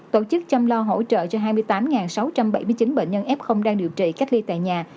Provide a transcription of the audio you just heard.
tổ chức chăm lo hỗ trợ cho hai mươi tám sáu trăm bảy mươi chín bệnh nhân f đang điều trị cách ly tại nhà